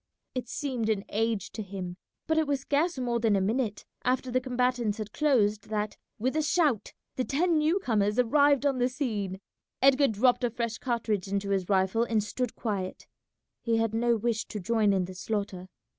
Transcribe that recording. It seemed an age to him, but it was scarce more than a minute after the combatants had closed that, with a shout, the ten new comers arrived on the scene. Edgar dropped a fresh cartridge into his rifle and stood quiet; he had no wish to join in the slaughter.